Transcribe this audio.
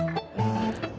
dan tidak boleh berkesah